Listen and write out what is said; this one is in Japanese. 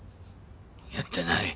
やってない。